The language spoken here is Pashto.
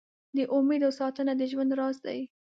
د امېدو ساتنه د ژوند راز دی.